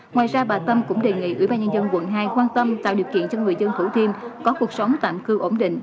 ngoài ra bà tâm cũng đề nghị ủy ban nhân dân quận hai quan tâm tạo điều kiện cho người dân thủ thiêm có cuộc sống tạm cư ổn định